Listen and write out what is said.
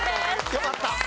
よかった！